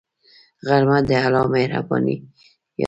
غرمه د الله مهربانۍ یاد ده